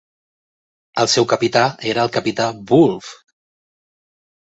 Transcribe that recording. El seu capità era el capità Wulff.